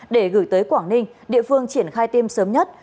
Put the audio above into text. để gửi tới quảng ninh địa phương triển khai tiêm sớm nhất